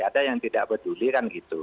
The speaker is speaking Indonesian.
ada yang tidak peduli kan gitu